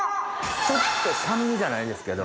ちょっと酸味じゃないですけど。